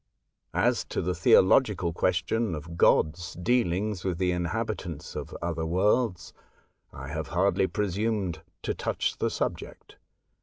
As to the theological question of God's deal ings with the inhabitants of other worlds, I have hardly presumed to touch the subject.